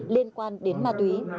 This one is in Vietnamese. liên quan đến ma túy